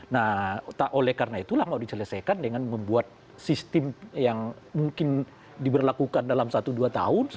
nah oleh karena itulah mau diselesaikan dengan membuat sistem yang mungkin diberlakukan dalam satu dua tahun